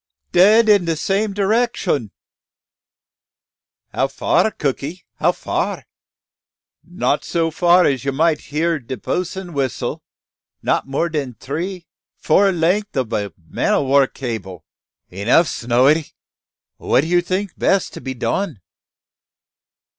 "Dead in dat same direcshun." "How fur, cookey? how fur?" "Not so fur as you might hear de bos'n's whissel; not more dan tree, four length ob a man o' war cable." "Enough, Snowy! What do you think best to be done?"